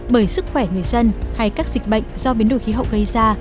bởi sức khỏe người dân hay các dịch bệnh do biến đổi khí hậu gây ra